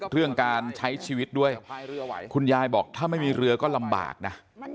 เรื่องการใช้ชีวิตด้วยคุณยายบอกถ้าไม่มีเรือก็ลำบากนะ